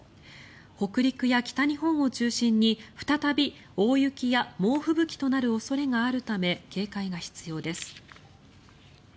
北陸や北日本を中心に再び大雪や猛吹雪となる恐れがあるため警戒が必要です。